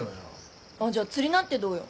あっじゃあ釣りなんてどうよ？